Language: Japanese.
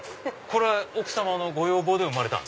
これ奥様のご要望で生まれた？